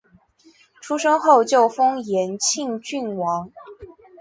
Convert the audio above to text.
出生后就封延庆郡王。